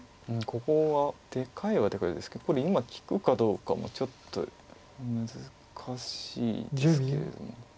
ここはでかいはでかいですけどこれ今利くかどうかもちょっと難しいですけれども。